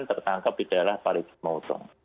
tertangkap di daerah palikit mausong